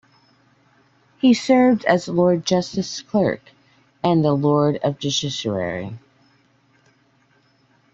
He served as Lord Justice Clerk and a Lord of Justiciary.